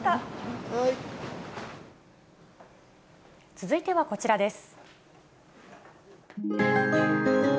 続いてはこちらです。